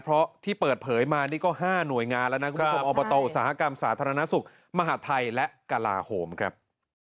เพราะที่เปิดเผยมานี่ก็๕หน่วยงานแล้วนะคุณผู้ชมอบตอุตสาหกรรมสาธารณสุขมหาทัยและกลาโหมครับ